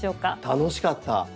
楽しかった。